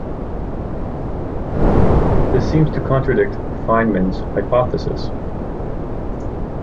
This seems to contradict Feynman's hypothesis.